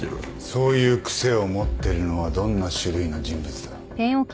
そういう癖を持ってるのはどんな種類の人物だ？